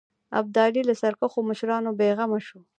ابدالي له سرکښو مشرانو بېغمه شو.